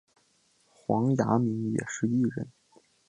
黄雅珉也是艺人。